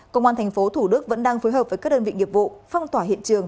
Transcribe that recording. công an tp thủ đức vẫn đang phối hợp với các đơn vị nghiệp vụ phong tỏa hiện trường